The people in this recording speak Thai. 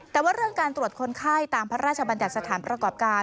แต่ว่าเรื่องการตรวจคนไข้ตามพระราชบัญญัติสถานประกอบการ